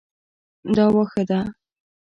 دا واښه ده